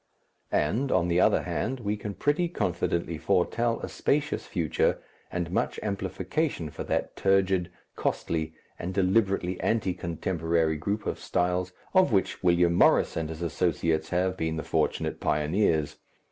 And, on the other hand, we can pretty confidently foretell a spacious future and much amplification for that turgid, costly, and deliberately anti contemporary group of styles of which William Morris and his associates have been the fortunate pioneers.